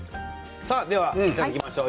では、いただきましょう。